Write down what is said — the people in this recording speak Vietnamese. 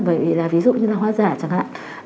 bởi vì là ví dụ như là hoa giả chẳng hạn